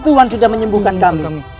tuhan sudah menyembuhkan kami